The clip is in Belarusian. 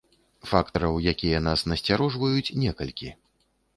Фактараў, якія нас насцярожваюць, некалькі.